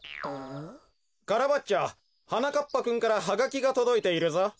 カラバッチョはなかっぱくんからハガキがとどいているぞ。